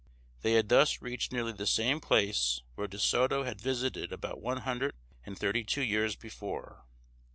They had thus reached nearly the same place which De Soto had visited about one hundred and thirty two years before.